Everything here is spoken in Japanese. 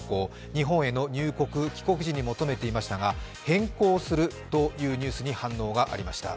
日本への入国・帰国時に必要でしたが変更するというニュースに反応がありました。